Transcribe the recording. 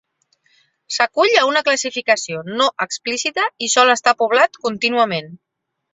S'acull a una classificació no explícita i sol estar poblat contínuament.